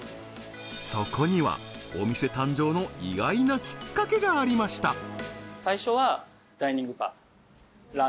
そこにはお店誕生の意外なきっかけがありました